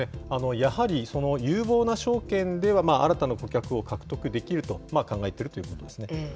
やはり有望な商圏では新たな顧客を獲得できると考えているということですね。